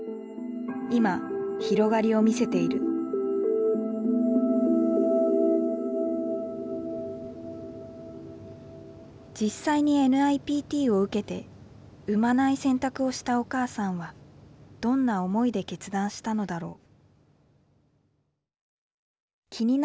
今広がりを見せている実際にＮＩＰＴを受けて生まない選択をしたお母さんはどんな思いで決断したのだろう。